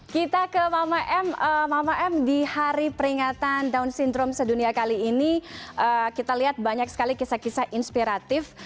kita ke mama m mama m di hari peringatan down syndrome sedunia kali ini kita lihat banyak sekali kisah kisah inspiratif